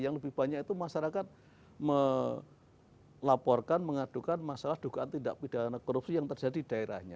yang lebih banyak itu masyarakat melaporkan mengadukan masalah dugaan tindak pidana korupsi yang terjadi di daerahnya